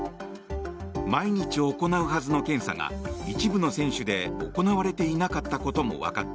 毎日行うはずの検査が一部の選手で行われていなかったこともわかった。